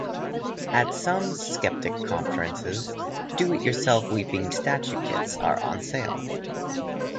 At some skeptic conferences, "do it yourself weeping statue kits" are on sale.